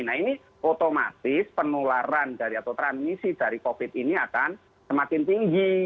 nah ini otomatis penularan dari atau transmisi dari covid ini akan semakin tinggi